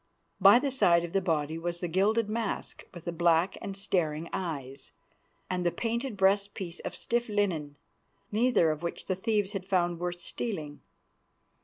"By the side of the body was the gilded mask, with black and staring eyes, and the painted breast piece of stiff linen, neither of which the thieves had found worth stealing.